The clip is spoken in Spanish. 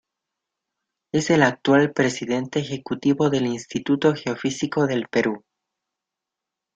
Es el actual presidente ejecutivo del Instituto Geofísico del Perú.